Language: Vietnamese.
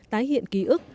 tái hiện ký ức